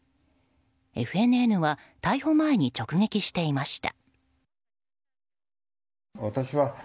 ＦＮＮは逮捕前に直撃していました。